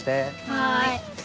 はい。